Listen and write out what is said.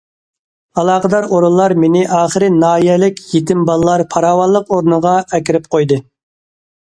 ئالاقىدار ئورۇنلار مېنى ئاخىرى ناھىيەلىك يېتىم بالىلار پاراۋانلىق ئورنىغا ئەكىرىپ قويدى.